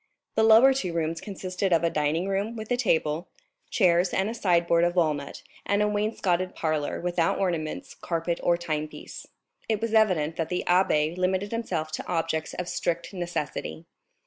The two lower rooms consisted of a dining room, with a table, chairs, and side board of walnut, and a wainscoted parlor, without ornaments, carpet, or timepiece. It was evident that the abbé limited himself to objects of strict necessity.